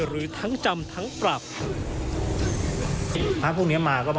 หรือทั้งจำทั้งปรับ